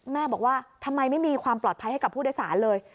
แม่บอกว่าทำไมไม่มีความปลอดภัยให้กับผู้โดยสารเลย